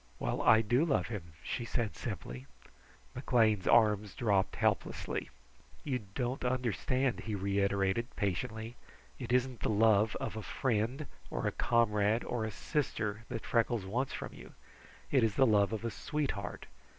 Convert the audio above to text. "Well, I do love him," she said simply. McLean's arms dropped helplessly. "You don't understand," he reiterated patiently. "It isn't the love of a friend, or a comrade, or a sister, that Freckles wants from you; it is the love of a sweetheart.